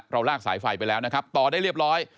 ลากสายไฟไปแล้วนะครับต่อได้เรียบร้อย